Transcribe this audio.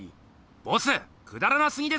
ボスくだらなすぎです！